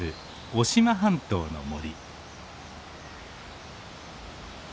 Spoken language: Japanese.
渡島半島の森。